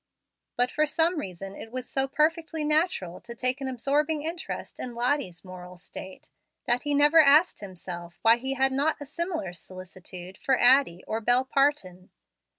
But for some reason it was so perfectly natural to take an absorbing interest in Lottie's moral state that he never asked himself why he had not a similar solicitude for Addie or Bel Parton.